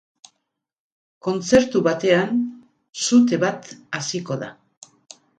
Kontzertu batean, sute bat hasiko da.